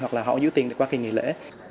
hoặc là họ giữ tình để qua kỳ nghỉ lễ